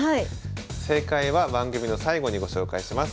正解は番組の最後にご紹介します。